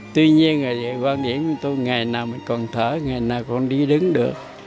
tuy nhiên là quan điểm của tôi là ngày nào mình còn thở ngày nào còn đi đứng được